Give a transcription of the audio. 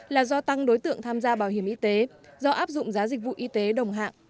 là do tăng đối tượng tham gia bảo hiểm y tế do áp dụng giá dịch vụ y tế đồng hạng